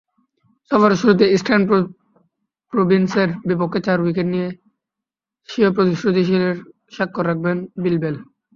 সফরের শুরুতে ইস্টার্ন প্রভিন্সের বিপক্ষে চার উইকেট নিয়ে স্বীয় প্রতিশ্রুতিশীলতার স্বাক্ষর রাখেন বিল বেল।